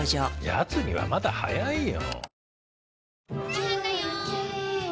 やつにはまだ早いよ。